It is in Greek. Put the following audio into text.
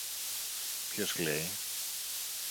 Ποιος κλαίει;